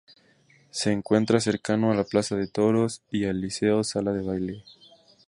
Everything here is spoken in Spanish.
Se encuentra cercano a la Plaza de Toros y al Liceo-Sala de Baile.